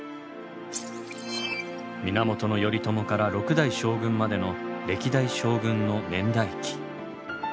源頼朝から６代将軍までの歴代将軍の年代記。